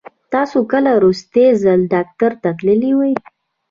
تاسو کله وروستی ځل ډاکټر ته تللي وئ؟